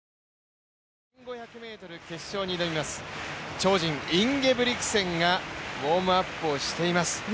超人インゲブリクセンがウォームアップをしています。